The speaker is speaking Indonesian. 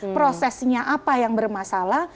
prosesnya apa yang bermasalah